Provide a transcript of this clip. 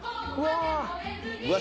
うわ。